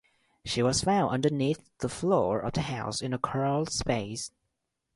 She was found underneath the floor of the house in a crawl space.